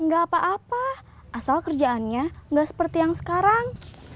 gak apa apa asal kerjaannya nggak seperti yang sekarang